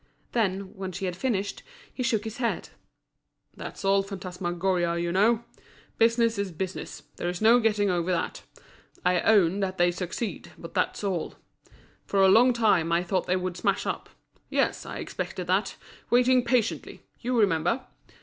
Then, when she had finished, he shook his head. "That's all phantasmagoria, you know. Business is business, there's no getting over that. I own that they succeed, but that's all. For a long time I thought they would smash up; yes, I expected that, waiting patiently—you remember?